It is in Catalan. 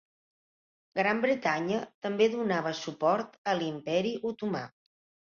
Gran Bretanya també donava suport a l'imperi otomà.